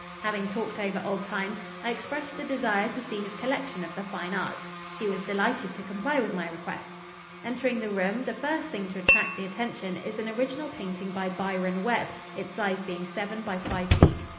Having talked over old times, I expressed a desire to see his collection of the fine arts. He was delighted to comply with my request. Entering the room, the first thing to attract the attention is an original painting by Byron Webb, its size being seven by five feet.